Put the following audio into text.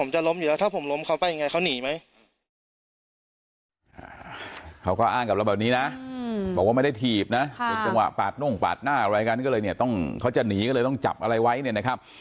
จังหวะปาดนุ่มปาดหน้าอะไรกันก็เลยเนี่ยต้องเขาจะหนีก็เลยต้องจับอะไรไว้นะครับ